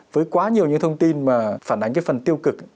với quá nhiều những thông tin mà phản ánh cái phần tiêu cực